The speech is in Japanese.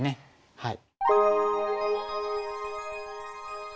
はい。